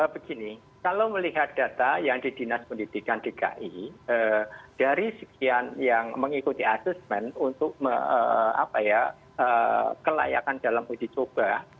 begini kalau melihat data yang di dinas pendidikan dki dari sekian yang mengikuti asesmen untuk kelayakan dalam uji coba